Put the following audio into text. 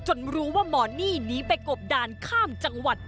รู้ว่าหมอนี่หนีไปกบดานข้ามจังหวัด